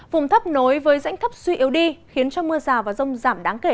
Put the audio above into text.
vùng thấp nối với rãnh thấp suy yếu đi khiến cho mưa rào và rông giảm đáng kể